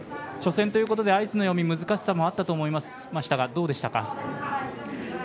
初戦ということでアイスの読み難しさもあったと思いましたがどうでしたか？